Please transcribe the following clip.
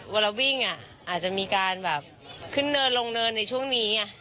เวลาวิ่งอาจจะมีการแบบขึ้นเนินลงเนินในช่วงนี้ไง